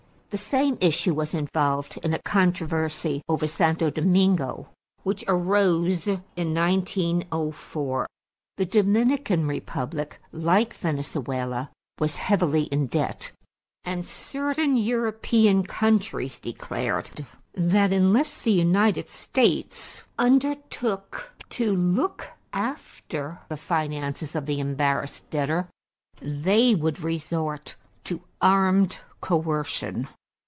= The same issue was involved in a controversy over Santo Domingo which arose in 1904. The Dominican republic, like Venezuela, was heavily in debt, and certain European countries declared that, unless the United States undertook to look after the finances of the embarrassed debtor, they would resort to armed coercion.